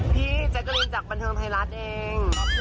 พี่แจ๊กกะรีนจากบันเทิงไทยรัฐเอง